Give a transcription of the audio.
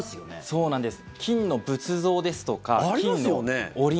そうなんです。